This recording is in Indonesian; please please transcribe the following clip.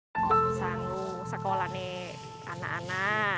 selalu sekolah nih anak anak